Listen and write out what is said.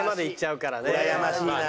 うらやましいなあ！